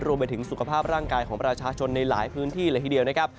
รวมไปถึงสุขภาพร่างกายของประชาชนในหลายพื้นที่เลยทีเดียวนะครับ